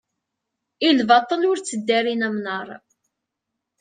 i lbaṭel ur tteddarin amnaṛ